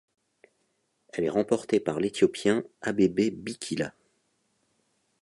Elle est remportée par l’Éthiopien Abebe Bikila.